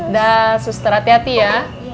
dah suster hati hati ya